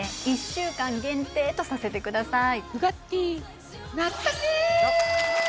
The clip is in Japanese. １週間限定とさせてください